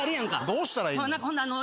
どうしたらいいの？